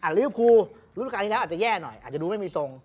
ลิเวอร์พูลรุ่นการที่แล้วอาจจะแย่หน่อยอาจจะดูไม่มีทรง